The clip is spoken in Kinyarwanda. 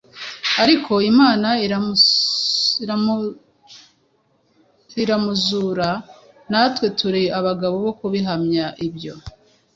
ariko Imana iramuzura; natwe turi abagabo bo guhamya ibyo.